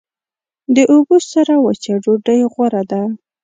د اوبو سره وچه ډوډۍ غوره ده.